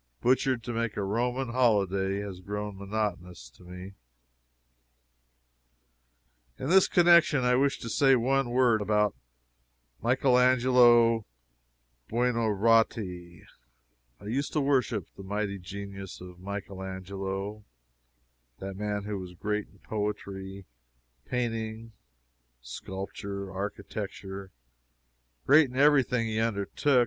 "Butchered to make a Roman holyday" has grown monotonous to me. In this connection I wish to say one word about Michael Angelo Buonarotti. I used to worship the mighty genius of Michael Angelo that man who was great in poetry, painting, sculpture, architecture great in every thing he undertook.